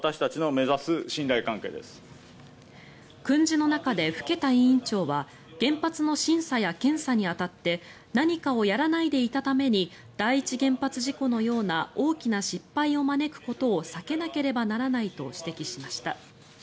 訓示の中で更田委員長は原発の審査や検査に当たって何かをやらないでいたために第一原発事故のような大きな失敗を招くことを避けなければいけないと指摘しました。